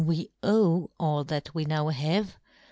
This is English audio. we owe all that we now have